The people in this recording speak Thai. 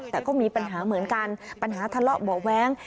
แต่ก็มีปัญหาเหมือนกันปัญหาทะเลาะเบาะแว้ง